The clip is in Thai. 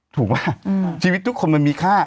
ถูกป่ะชีวิตทุกคนมันมีค่า